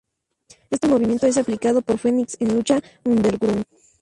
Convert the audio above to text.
Este movimiento es aplicado por Fenix en Lucha Underground.